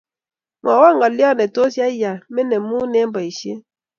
Mwaiwo ngalio netos yaiya manemun eng boishet